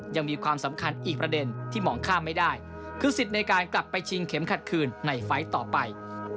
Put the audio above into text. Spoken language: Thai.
ยังมีความสำคัญอีกประเด็นที่มองข้ามไม่ได้คือสิทธิ์ในการกลับไปชิงเข็มขัดคืนในไฟล์ต่อไป